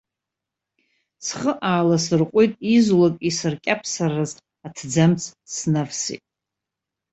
Схы ааласырҟәит, изулак исаркьаԥсараз аҭӡамц снавсит.